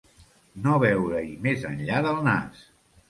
No veure-hi més enllà del nas.